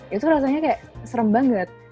itu rasanya kayak serem banget